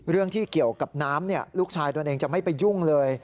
เรื่องที่เกี่ยวกับน้ำลูกชายตัวเองจะไม่ไปยุ่งเลย